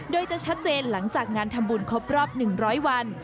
โดยจะชัดเจนหลังจากงานทำบุญครบรอบ๑๐๐วัน